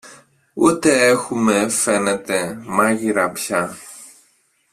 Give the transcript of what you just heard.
ούτε έχουμε, φαίνεται, μάγειρα πια.